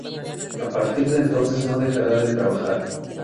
A partir de entonces no dejará de trabajar.